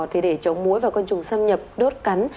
thì để chống mũi và côn trùng xâm nhập đốt cắn